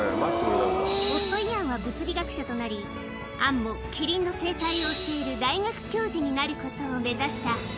夫、イアンは物理学者となり、アンもキリンの生態を教える大学教授になることを目指した。